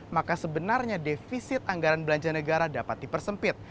maka sebenarnya defisit anggaran belanja negara dapat dipersempit